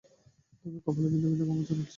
তাঁর কপালে বিন্দু-বিন্দু ঘাম জমছে।